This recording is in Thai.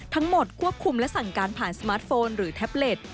ทั้งหมดควบคุมและสั่งการผ่านสมาร์ทโฟนหรือแท็บเล็ต